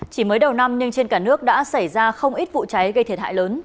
chỉ mới đầu năm nhưng trên cả nước đã xảy ra không ít vụ cháy gây thiệt hại lớn